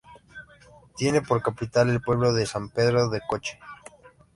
Tiene por capital el pueblo de San Pedro de Coche.